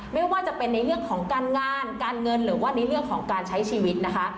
ไม่ว่าจะเป็นในเรื่องของการงานการเงินหรือว่าในเรื่องของการใช้ชีวิตนะคะ